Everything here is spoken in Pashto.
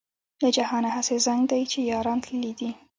له جهانه هسې زنګ دی چې یاران تللي دي.